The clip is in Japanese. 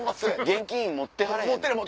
現金持ってはれへん。